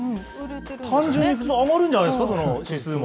単純に上がるんじゃないですか、指数も。